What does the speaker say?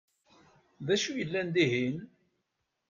D acu i yellan dihin?